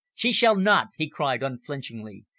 "She shall not!" he cried, unflinchingly.